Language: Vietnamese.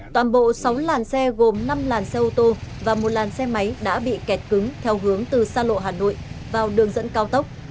toàn bộ sáu làn xe gồm năm làn xe ô tô và một làn xe máy đã bị kẹt cứng theo hướng từ xa lộ hà nội vào đường dẫn cao tốc